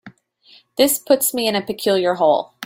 This puts me in a peculiar hole.